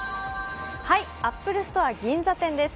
アップルストア銀座店です。